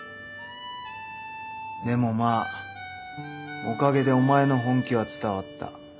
でもまあおかげでお前の本気は伝わった。